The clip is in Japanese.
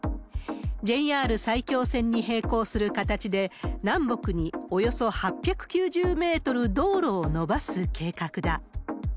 ＪＲ埼京線に並行する形で、南北におよそ８９０メートル道路を延ばす計画だ。